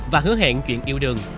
và hứa hẹn chuyện yêu đương